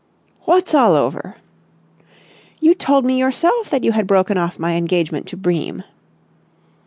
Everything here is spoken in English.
"What's all over?" "You told me yourself that you had broken off my engagement to Bream."